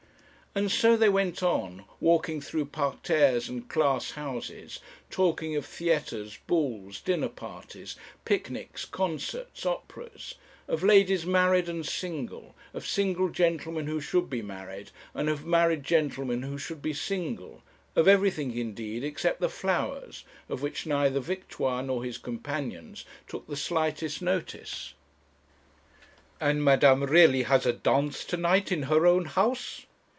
And so they went on, walking through parterres and glass houses, talking of theatres, balls, dinner parties, picnics, concerts, operas, of ladies married and single, of single gentlemen who should be married, and of married gentlemen who should be single, of everything, indeed, except the flowers, of which neither Victoire nor his companions took the slightest notice. 'And madame really has a dance to night in her own house?'